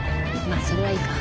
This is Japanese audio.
あそれはいいか。